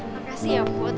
makasih ya put